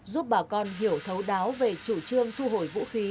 giúp bà con hiểu thấu đáo về chủ trương thu hồi vũ khí